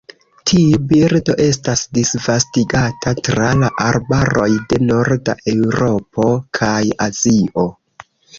Tiu birdo estas disvastigata tra la arbaroj de norda Eŭropo kaj Azio.